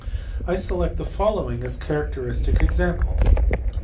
I select the following as characteristic examples.